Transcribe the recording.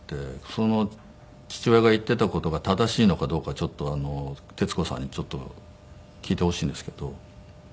その父親が言っていた事が正しいのかどうかちょっと徹子さんに聞いてほしいんですけど。